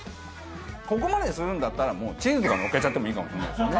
ここまでするんだったらもうチーズとかのっけちゃってもいいかもしれないですよね。